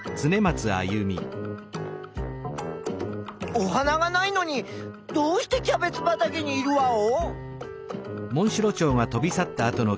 お花がないのにどうしてキャベツばたけにいるワオ？